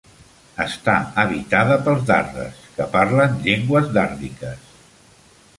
Està habitada pels dardes que parlen llengües dàrdiques.